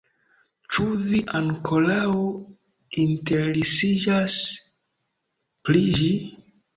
Ĉu vi ankoraŭ interesiĝas pri ĝi?